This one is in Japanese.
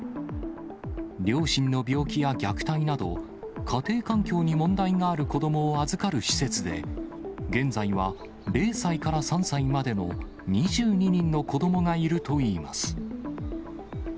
両親の病気や虐待など、家庭環境に問題がある子どもを預かる施設で、現在は０歳から３歳までの２２人の子どもがいるといいます。